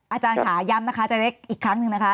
อาจารย์ขาย้ำอีกครั้งหนึ่ง